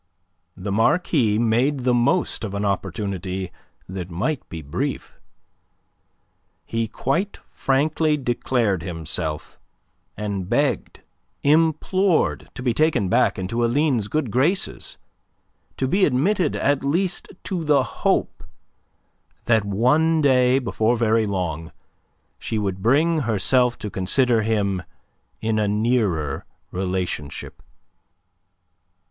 The Marquis made the most of an opportunity that might be brief. He quite frankly declared himself, and begged, implored to be taken back into Aline's good graces, to be admitted at least to the hope that one day before very long she would bring herself to consider him in a nearer relationship.